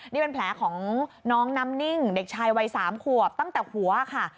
นี่เป็นแผลของน้องน้ำนิ่งเด็กชายวัย๓ขวบตั้งแต่หัวค่ะ